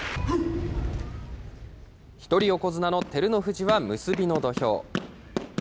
一人横綱の照ノ富士は結びの土俵。